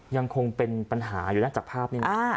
ยังคงเป็นปัญหาอยู่นะจากภาพนี้นะ